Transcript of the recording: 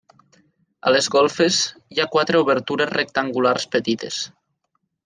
A les golfes, hi ha quatre obertures rectangulars petites.